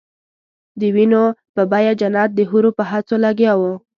د وینو په بیه جنت د حورو په هڅو لګیا وو.